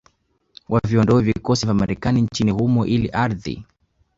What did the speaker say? waviondoe vikosi vya Marekani nchini humo ili ardhi